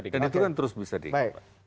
dan itu kan terus bisa dikipas